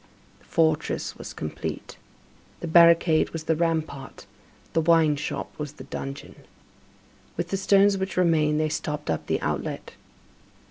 The fortress was complete. The barricade was the rampart, the wine shop was the dungeon. With the stones which remained they stopped up the outlet.